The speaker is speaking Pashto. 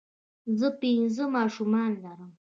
زۀ پنځه ماشومان لرم